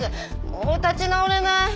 もう立ち直れない。